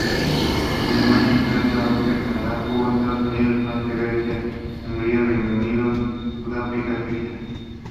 Alemania, Australia, Austria, Canadá, Cuba, Estados Unidos, Francia, Grecia, Hungría, Reino Unido, Sudáfrica, Suiza.